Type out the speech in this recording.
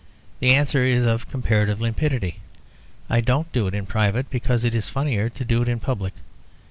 The answer is of comparative limpidity. I don't do it in private, because it is funnier to do it in public.